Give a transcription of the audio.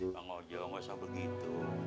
mau ngajau gak usah begitu